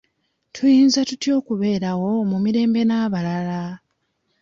Tuyinza tutya okubeerawo mu mirembe n'abalala?